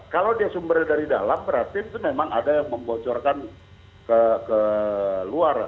kalau dia sumbernya dari dalam berarti itu memang ada yang membocorkan ke luar